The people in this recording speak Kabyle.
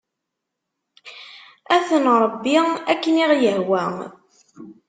Ad ten-nṛebbi akken i ɣ-yehwa.